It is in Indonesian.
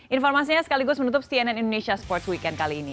informasinya sekaligus menutup cnn indonesia sports weekend kali ini